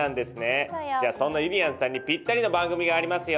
じゃあそんなゆりやんさんにぴったりの番組がありますよ！